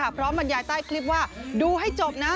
บรรยายใต้คลิปว่าดูให้จบนะ